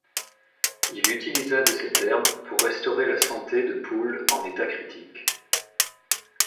Il utilisa de cette herbe pour restaurer la santé de poules en état critique.